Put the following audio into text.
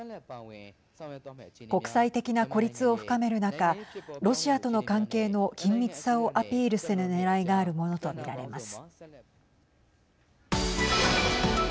国際的な孤立を深める中ロシアとの関係の緊密さをアピールするねらいがあるものと見られます。